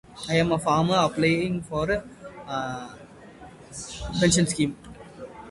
She appeared in two episodes of David Janssen's crime drama, "Richard Diamond, Private Detective".